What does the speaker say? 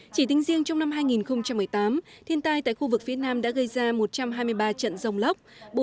chỉ tính riêng trong năm hai nghìn một mươi tám thiên tai tại khu vực phía nam đã gây ra một trăm hai mươi ba trận rồng lốc